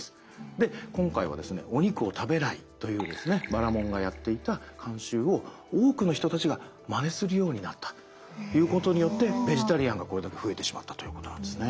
で今回はお肉を食べないというバラモンがやっていた慣習を多くの人たちがまねするようになったということによってベジタリアンがこれだけ増えてしまったということなんですね。